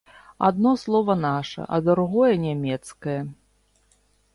Адно слова наша, а другое нямецкае.